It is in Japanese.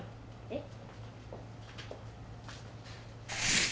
えっ？